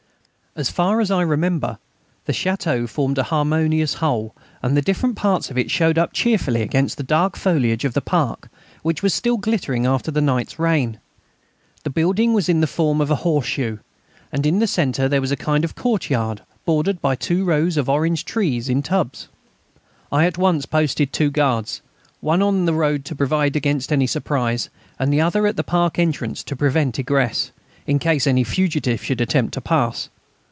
As far as I remember, the château formed a harmonious whole, and the different parts of it showed up cheerfully against the dark foliage of the park, which was still glittering after the night's rain. The building was in the form of a horseshoe, and in the centre there was a kind of courtyard bordered by two rows of orange trees in tubs. I at once posted two guards, one on the road to provide against any surprise and the other at the park entrance to prevent egress, in case any fugitive should attempt to pass.